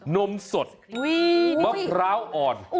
นมสดมะพร้าวอ่อน